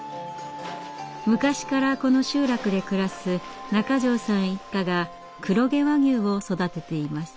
昔からこの集落で暮らす中條さん一家が黒毛和牛を育てています。